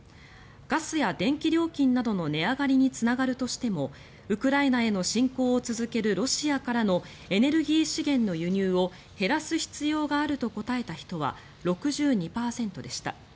ガスや電気料金などの値上がりにつながるとしてもウクライナへの侵攻を続けるロシアからのエネルギー資源の輸入を減らす必要があると答えた人は６２％でした。